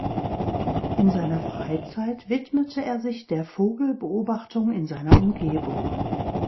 In seiner Freizeit widmete er sich der Vogelbeobachtung in seiner Umgebung.